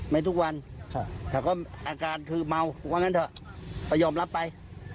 ไม่ทุกวันแต่ก็อาการคือเมาว่างั้นเถอะก็ยอมรับไป